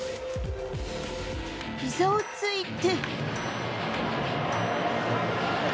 ひざをついて。